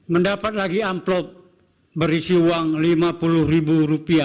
mendapat lagi amplop berisi uang lima puluh ribu rupiah